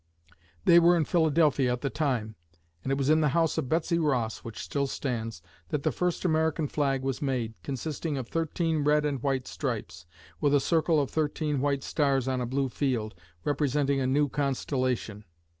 They were in Philadelphia at the time, and it was in the house of Betsy Ross (which still stands) that the first American flag was made, consisting of thirteen red and white stripes, with a circle of thirteen white stars on a blue field, "representing a new constellation."